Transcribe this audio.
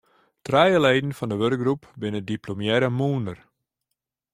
Trije leden fan de wurkgroep binne diplomearre mûnder.